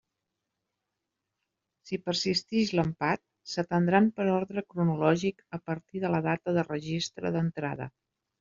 Si persistix l'empat, s'atendran per orde cronològic a partir de la data de registre d'entrada.